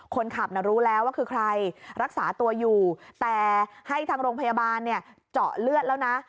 คนขับน่ะรู้แล้วว่าคือใครรักษาตัวอยู่แต่ให้ทางโรงพยาบาลเจาะเลือดแล้วนะ